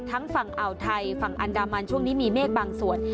ฝั่งอ่าวไทยฝั่งอันดามันช่วงนี้มีเมฆบางส่วน